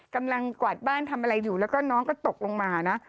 กวาดบ้านทำอะไรอยู่แล้วก็น้องก็ตกลงมานะ